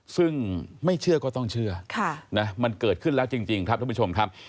ซึ่งไม่เชื่อก็ต้องเชื่อมันเกิดขึ้นแล้วจริงครับท่านผู้ชมครับ